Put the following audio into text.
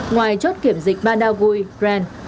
ngoài chốt kiểm dịch ban đao vui brand